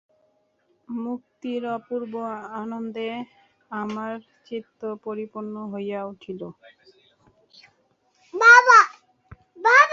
মুক্তির অপূর্ব আনন্দে আমার চিত্ত পরিপূর্ণ হইয়া উঠিল।